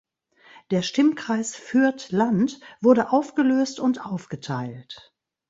Der Stimmkreis Fürth-Land wurde aufgelöst und aufgeteilt.